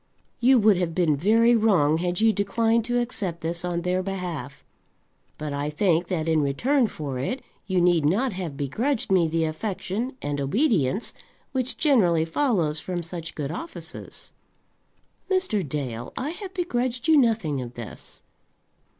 You would have been very wrong had you declined to accept this on their behalf; but I think that in return for it you need not have begrudged me the affection and obedience which generally follows from such good offices." "Mr. Dale, I have begrudged you nothing of this."